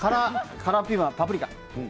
カラーピーマン、パプリカ。